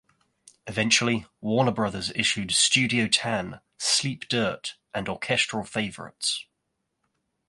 Eventually, Warner Brothers issued "Studio Tan", "Sleep Dirt" and "Orchestral Favorites".